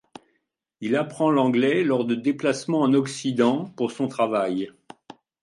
Il apprend l'anglais lors de déplacements en Occident pour son travail.